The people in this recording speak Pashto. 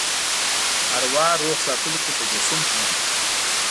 اروا روغ ساتلو کې تجسم مومي.